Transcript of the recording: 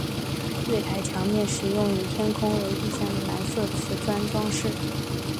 月台墙面使用以天空为意象的蓝色磁砖装饰。